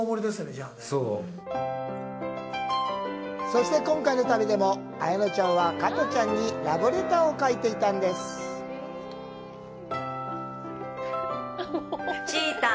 そして、今回の旅でも綾菜ちゃんは加トちゃんにラブレターを書いていました。